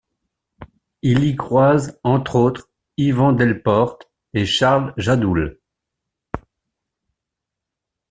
Il y croise entre autres Yvan Delporte et Charles Jadoul.